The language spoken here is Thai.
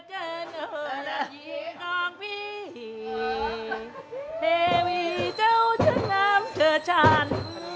เหตุวิทย์เจ้าชนะมเจอชาญ